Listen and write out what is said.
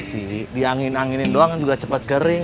mesin cuci di angin anginin doang juga cepet kering